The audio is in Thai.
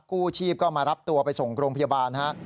กู้ชีพก็มารับตัวไปส่งโรงพยาบาลฮะ